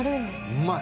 うまい！